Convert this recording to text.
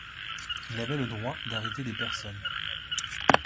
Il avait le droit d'arrêter des personnes.